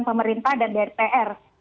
pemerintah dan dpr